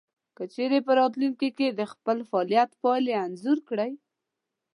که چېرې په راتلونکې کې د خپل فعاليت پايلې انځور کړئ.